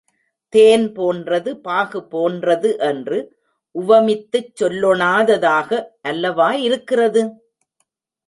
தேன் போன்றது, பாகு போன்றது என்று உவமித்துச் சொல்லொணாததாக அல்லவா இருக்கிறது?